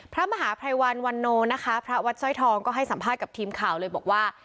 พระมหาภัยวันวันโนนะคะพระวัดสร้อยทองก็ให้สัมภาษณ์กับทีมข่าวเลยบอกว่า